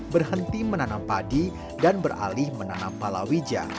berhenti menanam padi dan beralih menanam palawija